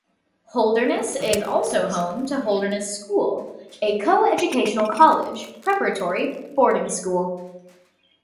Holderness is also home to Holderness School, a co-educational college-preparatory boarding school.